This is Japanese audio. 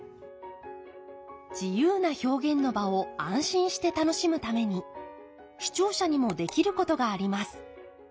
自由な表現の場を安心して楽しむために視聴者にもできることがあります。